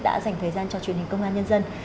đã dành thời gian cho truyền hình công an nhân dân